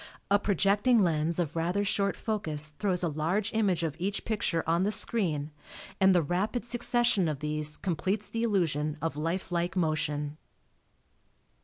A projecting lens of rather short focus throws a large image of each picture on the screen, and the rapid succession of these completes the illusion of life like motion.